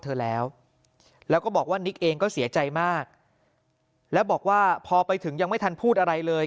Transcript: เธอแล้วแล้วก็บอกว่านิกเองก็เสียใจมากแล้วบอกว่าพอไปถึงยังไม่ทันพูดอะไรเลย